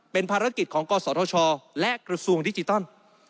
เป็นภารกิจของกศธชและกระทรวงดิจิตอล